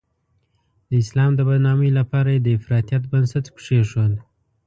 د اسلام د بدنامۍ لپاره یې د افراطیت بنسټ کېښود.